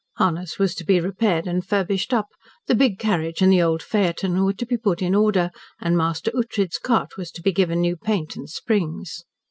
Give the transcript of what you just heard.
Harness was to be repaired and furbished up, the big carriage and the old phaeton were to be put in order, and Master Ughtred's cart was to be given new paint and springs.